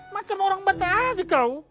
macam orang beta aja kau